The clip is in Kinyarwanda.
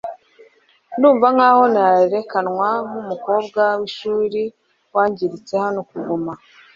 ndumva nkaho nerekanwa nkumukobwa wishuri wangiritse hano kuguma